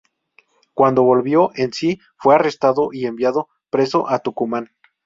Cuando volvió en sí fue arrestado y enviado preso a Tucumán.